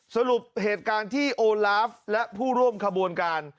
สรุปเหตุการณ์ที่โอลาฟและผู้ร่วมขบวนการ